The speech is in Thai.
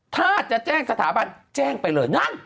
ถ้าจะแจ้งสถาบันแจ้งไปเลยนั่น